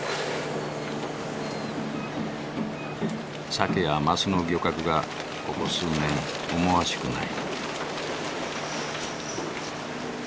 サケやマスの漁獲がここ数年思わしくない。